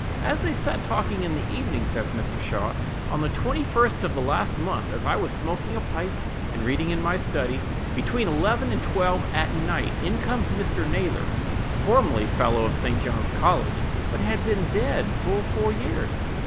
As they sat talking in the evening, says Mr. Shaw: 'On the 21st of the last month, as I was smoking a pipe, and reading in my study, between eleven and twelve at night, in comes Mr. Naylor (formerly fellow of St. John's college, but had been dead full four years).